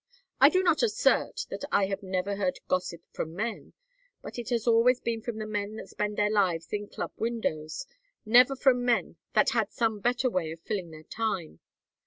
I do not assert that I have never heard gossip from men; but it has always been from the men that spend their lives in Club windows, never from men that had some better way of filling their time.